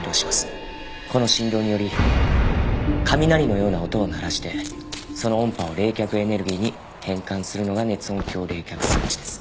この振動により雷のような音を鳴らしてその音波を冷却エネルギーに変換するのが熱音響冷却装置です。